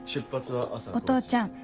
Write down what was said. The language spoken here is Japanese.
お父ちゃん